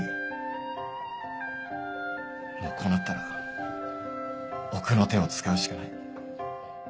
もうこうなったら奥の手を使うしかない。